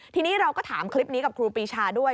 ทีนี้เราก็ถามคลิปนี้กับครูปีชาด้วย